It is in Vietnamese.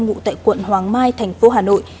ngụ tại quận hoàng mai tp hà nội